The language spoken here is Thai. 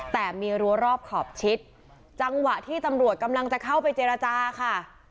แต่มีรั้วรอบขอบชิดจังหวะที่ตำรวจกำลังจะเข้าไปเจรจาค่ะ